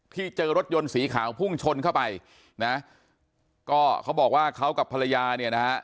เจอรถยนต์สีขาวพุ่งชนเข้าไปนะก็เขาบอกว่าเขากับภรรยาเนี่ยนะฮะ